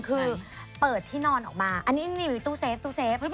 คือเปิดที่นอนออกมาอันนี้มีตู้เซฟตู้เซฟ